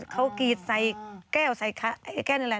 เขากรีดใส่แก้วใส่แก้นอะไร